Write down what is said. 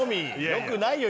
よくないよ